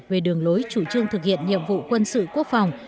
về đường lối chủ trương thực hiện nhiệm vụ quân sự quốc phòng